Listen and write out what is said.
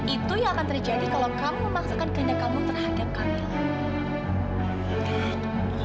itu yang akan terjadi kalau kamu memaksakan kehendak kamu terhadap kamu